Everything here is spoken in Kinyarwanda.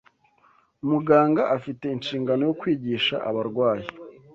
Muganga Afite Inshingano yo Kwigisha Abarwayi